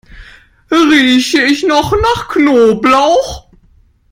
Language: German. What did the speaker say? Rieche ich noch nach Knoblauch?